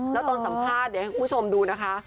แล้วตอนสัมภาษณ์เดี๋ยวให้คุณผู้ชมดูนะคะ